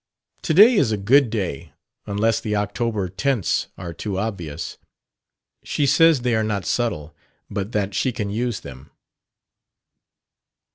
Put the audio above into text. "To day is a good day unless the October tints are too obvious." "She says they are not subtle, but that she can use them."